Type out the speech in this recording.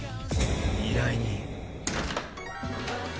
依頼人。